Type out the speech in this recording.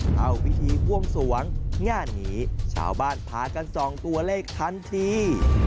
เข้าพิธีบวงสวงงานนี้ชาวบ้านพากันส่องตัวเลขทันที